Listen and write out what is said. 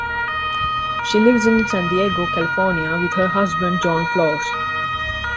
She lives in San Diego, California, with her husband, Jon Flores.